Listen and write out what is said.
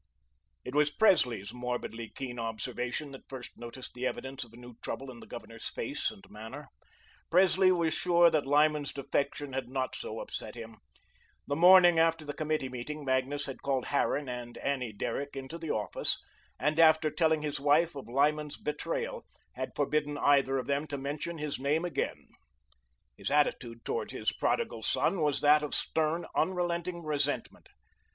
It was Presley's morbidly keen observation that first noticed the evidence of a new trouble in the Governor's face and manner. Presley was sure that Lyman's defection had not so upset him. The morning after the committee meeting, Magnus had called Harran and Annie Derrick into the office, and, after telling his wife of Lyman's betrayal, had forbidden either of them to mention his name again. His attitude towards his prodigal son was that of stern, unrelenting resentment.